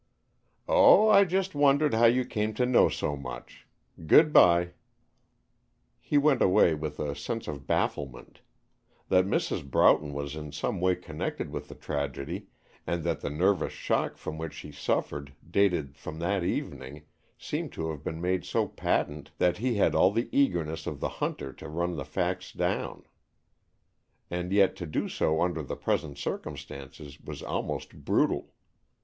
"Oh, I just wondered how you came to know so much. Good by." He went away with a sense of bafflement. That Mrs. Broughton was in some way connected with the tragedy, and that the nervous shock from which she suffered dated from that evening, seemed to have been made so patent that he had all the eagerness of the hunter to run the facts down. And yet to do so under the present circumstances was almost brutal.